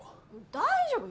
大丈夫。